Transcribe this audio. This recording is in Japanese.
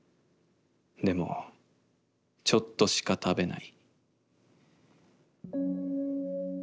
でもちょっとしか食べない」。